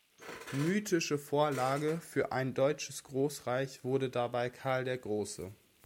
Mythische Vorlage für ein deutsches Großreich wurde dabei Karl der Große.